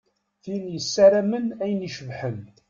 Tin yessaramen ayen icebḥen.